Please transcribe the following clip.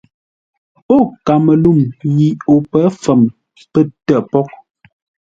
O kaməluŋ yi o pə̌ fəm pətə́ pôghʼ.